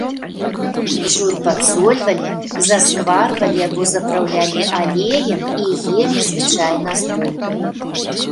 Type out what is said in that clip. Жур падсольвалі, заскварвалі або запраўлялі алеем і елі звычайна з бульбай.